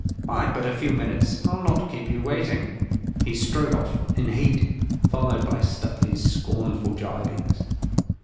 Bide but a few minutes. I'll not keep you waiting!" He strode off, in heat, followed by Stuteley's scornful gibings.